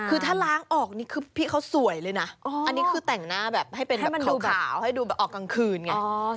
คือถ้าล้างออกนี่คือพี่เขาสวยเลยนะอันนี้คือแต่งหน้าแบบให้เป็นแบบขาวให้ดูแบบออกกลางคืนไง